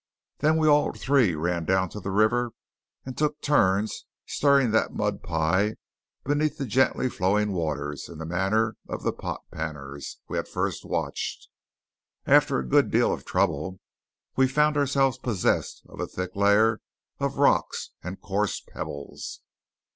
Then we all three ran down to the river and took turns stirring that mud pie beneath the gently flowing waters in the manner of the "pot panners" we had first watched. After a good deal of trouble we found ourselves possessed of a thick layer of rocks and coarse pebbles.